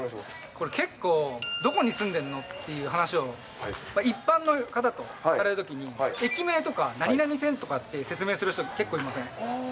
これ結構、どこに住んでんのっていう話を、一般の方とされるときに、駅名とか、何何線とかって説明する人、結構いません？